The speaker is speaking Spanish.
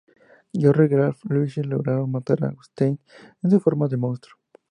George, Ralph y Lizzie lograron matar a Eustace en su forma de monstruo.